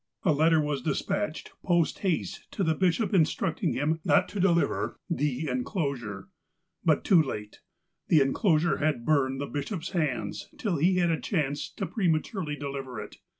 A letter was despatched post haste to the bishop instructing him not to deliver '' the en closure." But too late. The enclosure had burned the bishop's hands, till he had a chance to prematurely deliver it.